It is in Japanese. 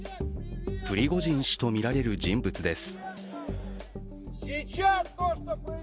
プリゴジン氏とみられる人物です。